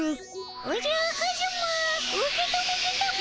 おじゃカズマ受け止めてたも。